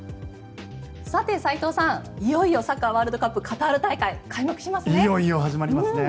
斎藤さん、いよいよサッカーワールドカップカタール大会いよいよ始まりますね。